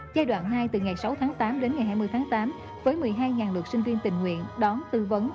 giai đoạn hai từ ngày sáu tháng tám đến ngày hai mươi tháng tám với một mươi hai lượt sinh viên tình nguyện đón tư vấn